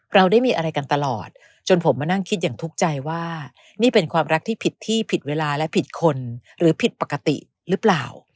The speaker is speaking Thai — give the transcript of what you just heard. เราได้มีอะไรกันตลอดจนผมมานั่งคิดอย่างทุกข์ใจว่านี่เป็นความรักที่ผิดที่ผิดเวลาและผิดคนหรือผิดปกติหรือเปล่า